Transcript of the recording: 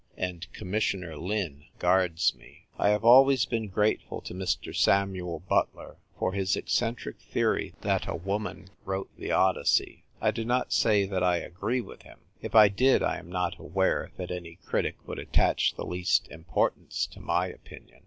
And Commissioner Lin guards me. I have always been grateful to Mr. Samuel Butler for his eccentric theory that a woman wrote the Odyssey. I do not say that I agree with him ; if I did, I am not aware that any critic would attach the least importance to my opinion.